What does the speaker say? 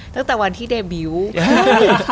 ตั้งแต่วันที่เดบิวต์